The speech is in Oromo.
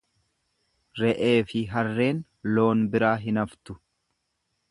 Re'eefi harreen loon biraa hin haftu.